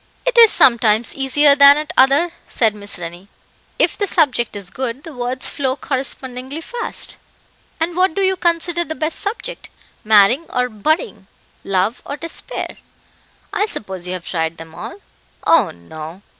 "It is sometimes easier than at other," said Miss Rennie. "If the subject is good the words flow correspondingly fast." "And what do you consider the best subject, marrying or burying, love or despair? I suppose you have tried them all." "Oh, no.